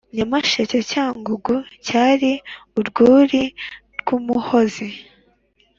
nyamasheke(cyangugu),cyari urwuri rw’umuhozi